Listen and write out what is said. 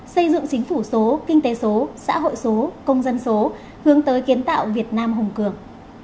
xây dựng chính phủ số kinh tế số xã hội số công dân số hướng tới kiến tạo việt nam hùng cường